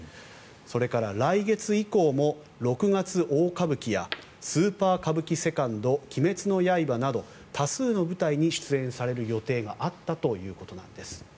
それから来月以降も六月大歌舞伎やスーパー歌舞伎セカンド「鬼滅の刃」など多数の舞台に出演される予定があったということなんです。